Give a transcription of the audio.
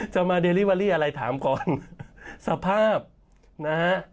จะมาเดลิเวอรี่อะไรถามก่อนสภาพนะฮะ